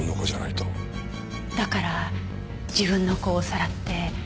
だから自分の子をさらって。